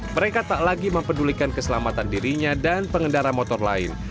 mereka tak lagi mempedulikan keselamatan dirinya dan pengendara motor lain